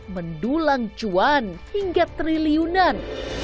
mendulang cuan hingga triliunan